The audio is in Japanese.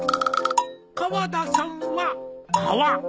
川田さんは川。